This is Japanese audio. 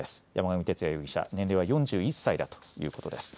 山上徹也容疑者年齢は４１歳だということです。